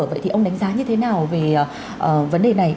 vậy thì ông đánh giá như thế nào về vấn đề này